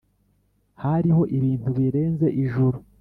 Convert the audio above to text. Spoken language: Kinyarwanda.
hariho ibintu birenze ijuru